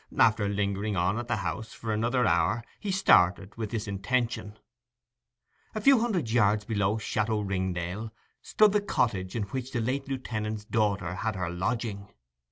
After lingering on at the house for another hour he started with this intention. A few hundred yards below 'Château Ringdale' stood the cottage in which the late lieutenant's daughter had her lodging.